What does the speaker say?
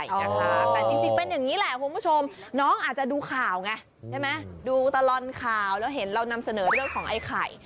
แต่จริงเป็นอย่างนี้แหละคุณผู้ชมน้องอาจจะดูข่าวไงใช่ไหมดูตลอดข่าวแล้วเห็นเรานำเสนอเรื่องของไอ้ไข่